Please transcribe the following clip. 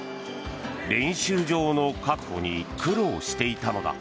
練習場の確保に苦労していたのだ。